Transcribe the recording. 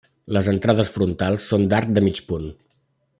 Les entrades frontals són d'arc de mig punt.